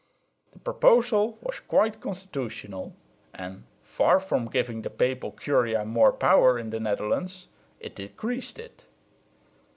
The proposal was quite constitutional and, far from giving the papal curia more power in the Netherlands, it decreased it.